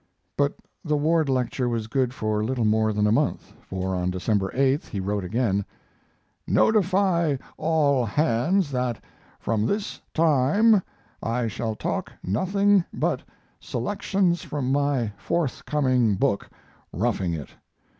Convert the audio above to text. But the Ward lecture was good for little more than a month, for on December 8th he wrote again: Notify all hands that from this time I shall talk nothing but selections from my forthcoming book, 'Roughing It'.